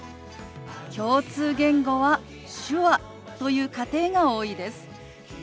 共通言語は手話という家庭が多いです。